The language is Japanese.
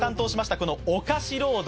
このお菓子ロード